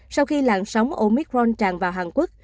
sau khi lạng sóng omicron tràn vào hàn quốc